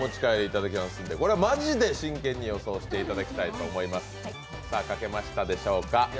これはマジで真剣に予想していただきたいと思います。